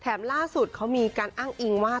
ล่าสุดเขามีการอ้างอิงว่า